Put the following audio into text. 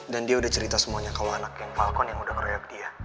dan dia udah cerita semuanya kalo anak geng falcon yang udah ngeroyok dia